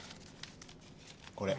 これ。